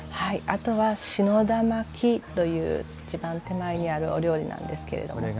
あとは「信田巻き」という一番手前にあるお料理なんですけども。